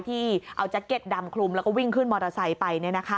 ที่เอาแจ็คเก็ตดำคลุมแล้วก็วิ่งขึ้นมอเตอร์ไซค์ไป